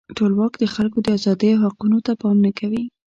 ټولواک د خلکو د آزادۍ او حقوقو ته پام نه کوي.